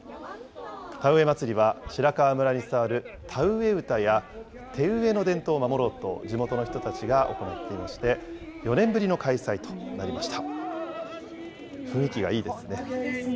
田植え祭りは白川村に伝わる田植え唄や手植えの伝統を守ろうと、地元の人たちが行っていまして、４年ぶりの開催となりました。